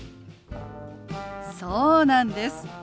そうなんです。